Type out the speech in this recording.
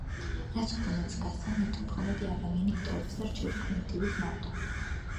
რაც უფრო მეტს გასცემ, მით უფრო მეტი ადამიანი გტოვებს და რჩები ღმერთივით მარტო